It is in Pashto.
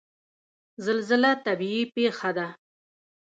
زلزله طبیعي پیښه ده